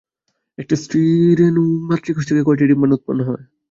একটি স্ত্রী-রেণু মাতৃকোষ থেকে কয়টি ডিম্বাণু উৎপন্ন হয়?